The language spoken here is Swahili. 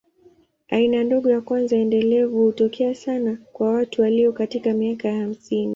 Aina ndogo ya kwanza endelevu hutokea sana kwa watu walio katika miaka ya hamsini.